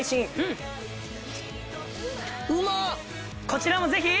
こちらもぜひ。